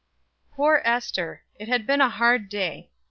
Poor Ester! It had been a hard day.